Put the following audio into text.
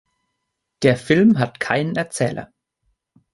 Der Film hat keinen Erzähler.